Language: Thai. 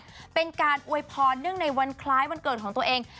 เป็นการอวยพรเนื่องในวันคล้ายวันเกิดของตัวเอง